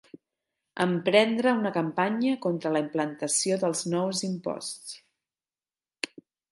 Emprendre una campanya contra la implantació dels nous imposts.